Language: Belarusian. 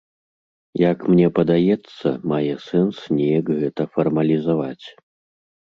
Як мне падаецца, мае сэнс неяк гэта фармалізаваць.